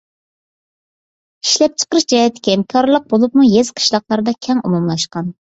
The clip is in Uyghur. ئىشلەپچىقىرىش جەھەتتىكى ھەمكارلىق، بولۇپمۇ يېزا-قىشلاقلاردا كەڭ ئومۇملاشقان.